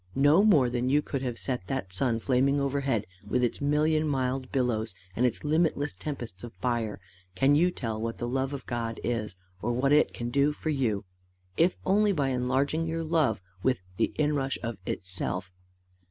No more than you could have set that sun flaming overhead, with its million miled billows and its limitless tempests of fire, can you tell what the love of God is, or what it can do for you, if only by enlarging your love with the inrush of itself.